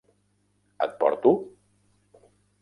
Et porto?